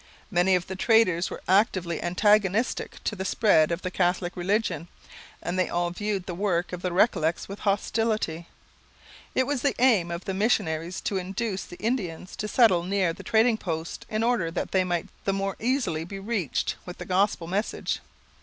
Many of the traders were actively antagonistic to the spread of the Catholic religion and they all viewed the work of the Recollets with hostility. It was the aim of the missionaries to induce the Indians to settle near the trading posts in order that they might the more easily be reached with the Gospel message.